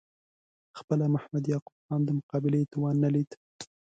خپله محمد یعقوب خان د مقابلې توان نه لید.